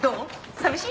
寂しい？